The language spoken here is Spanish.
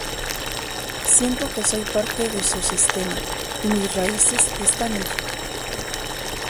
Siento que soy parte de su sistema y mis raíces están allí".